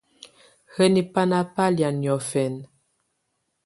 Hǝ́ni banà bà lɛ̀á noɔ̀fɛnɛ?